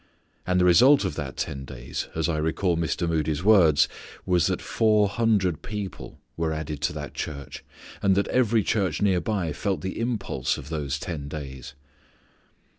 And the result of that ten days, as I recall Mr. Moody's words, was that four hundred were added to that church, and that every church near by felt the impulse of those ten days.